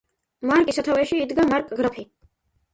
მარკის სათავეში იდგა მარკგრაფი.